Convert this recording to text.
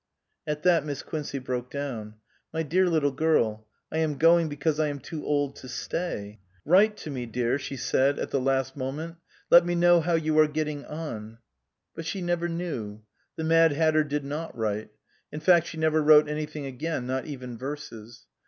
At that Miss Quincey broke down. " My dear little girl I am going because I am too old to stay." " Write to me dear," she said at the last 319 SUPERSEDED moment, " let me know how you are getting on." But she never knew. The Mad Hatter did not write. In fact she never wrote anything again, not even verses.